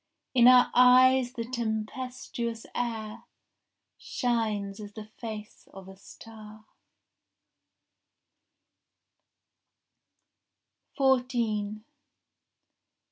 In our eyes the tempestuous air Shines as the face of a star.